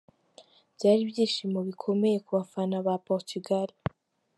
Byari byishimo bikomeye ku bafana ba Portugal